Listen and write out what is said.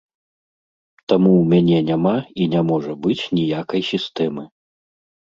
Таму ў мяне няма і не можа быць ніякай сістэмы.